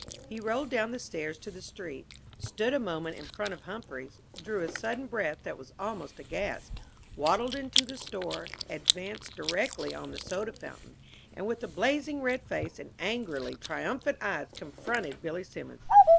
He rolled down the stairs to the street, stood a moment in front of Humphrey's, drew a sudden breath that was almost a gasp, waddled into the store, advanced directly on the soda fountain, and with a blazing red face and angrily triumphant eyes confronted Billy Simmons.